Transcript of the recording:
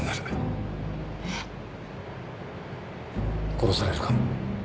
殺されるかも。